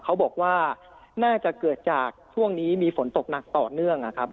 เขาบอกว่าน่าจะเกิดจากช่วงนี้มีฝนตกหนักต่อเนื่องนะครับ